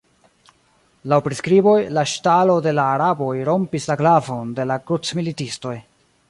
Laŭ priskriboj, la ŝtalo de la araboj rompis la glavon de la krucmilitistoj.